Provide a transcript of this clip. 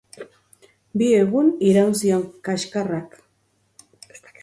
Bi egun iraun zion kaxkarrak.